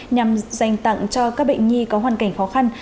nhằm dành tặng cho các bệnh nhi có hoàn cảnh khó khăn